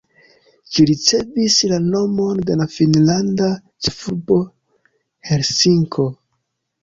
Ĝi ricevis la nomon de la finnlanda ĉefurbo Helsinko.